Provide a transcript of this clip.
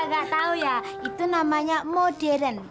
lu kagak tau ya itu namanya modern